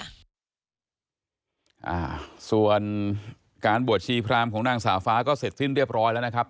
อ่าส่วนการบวชชีพรามของนางสาวฟ้าก็เสร็จสิ้นเรียบร้อยแล้วนะครับ